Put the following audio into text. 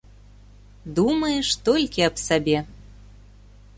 Думаеш толькі аб сабе.